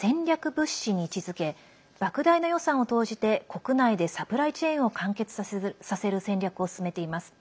物資に位置づけばく大な予算を投じて国内でサプライチェーンを完結させる戦略を進めています。